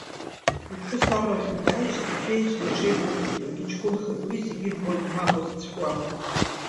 Уԥҳәыс аррахьынтә дааижьҭеи, цәеижьла уҽеибуҭеит, уагьыҷкәынхеит, уи зегьы ирбоит, мап узацәкуам!